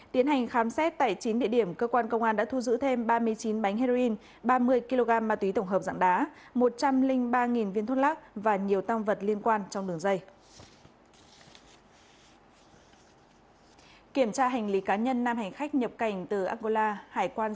tiến hành khám xét tại chín địa điểm cơ quan công an đã thu giữ thêm ba mươi chín bánh heroin ba mươi kg ma túy tổng hợp dạng đá một trăm linh ba viên thuốc lắc và nhiều tăng vật liên quan trong đường dây